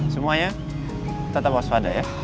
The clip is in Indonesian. semuanya tetap waspada ya